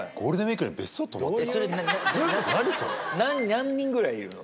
何人ぐらいいるの？